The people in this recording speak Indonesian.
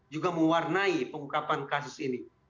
juga mewarnai pengungkapan kasus ini